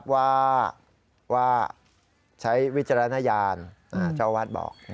ว่าใช้วิจารณญาณเจ้าวัดบอก